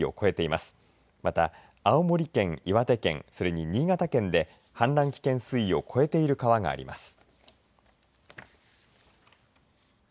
また、青森県、岩手県それに新潟県で氾濫危険水位を超えている川があります。